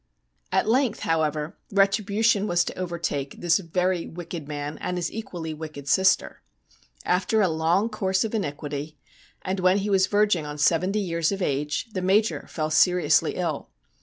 At length, however, retribution was to overtake this very wicked man and his equally wicked sister. After a long course of iniquity, and when he was verging on seventy years of ago, tho Major fell seriously ill.